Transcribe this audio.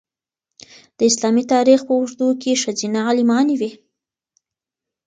د اسلامي تاریخ په اوږدو کې ښځینه عالمانې وې.